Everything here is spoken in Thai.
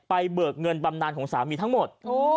เบิกเงินบำนานของสามีทั้งหมด